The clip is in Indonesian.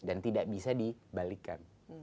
dan tidak bisa dibalikan